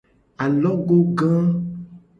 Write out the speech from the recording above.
Alogoga.